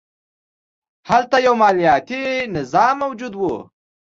هلته یو مالیاتي نظام موجود و